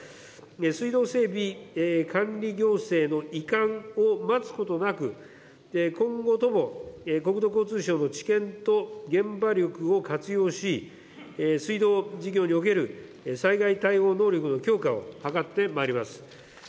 水道整備管理行政の移管を待つことなく、今後とも、国土交通省の知見と現場力を活用し、水道事業における災害対応能力の強化を図ってまいります。